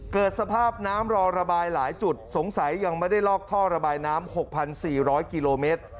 เกิดสภาพน้ำรอระบายหลายจุดสงสัยยังไม่ได้ลอกท่อระบายน้ำ๖๔๐๐กิโลเมตร